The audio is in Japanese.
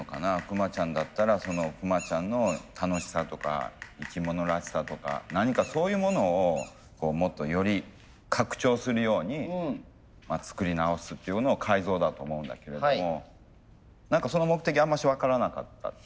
クマちゃんだったらそのクマちゃんの楽しさとか生き物らしさとか何かそういうものをもっとより拡張するように作り直すっていうのを改造だと思うんだけれども何かその目的あんまし分からなかった。